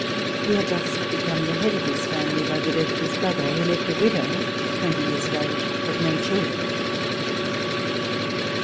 He had just become the head of his family by the death of his brother, who left a widow twenty years of age, but no children.